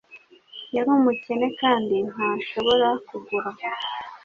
Yari umukene kandi ntashobora kugura